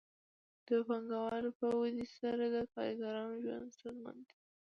د پانګوال په ودې سره د کارګرانو ژوند ستونزمنېږي